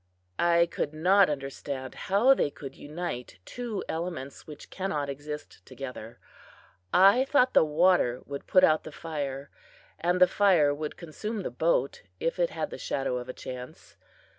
I could not understand how they could unite two elements which cannot exist together. I thought the water would put out the fire, and the fire would consume the boat if it had the shadow of a chance.